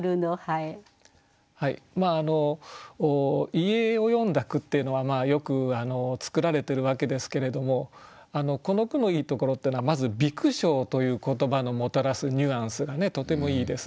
遺影を詠んだ句っていうのはよく作られてるわけですけれどもこの句のいいところっていうのはまず「微苦笑」という言葉のもたらすニュアンスがとてもいいです。